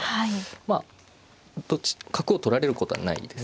まあ角を取られることはないです。